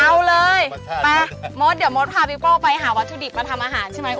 เอาเลยไปมดเดี๋ยวมดพาพี่โก้ไปหาวัตถุดิบมาทำอาหารใช่ไหม